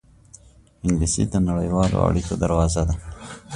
انګلیسي د نړیوالو اړېکو دروازه ده